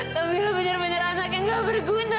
kamila benar benar anak yang nggak berguna